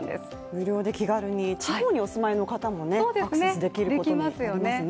無料で気軽に地方にお住まいの方もできますよね。